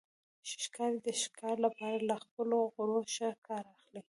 ښکاري د ښکار لپاره له خپلو غړو ښه کار اخلي.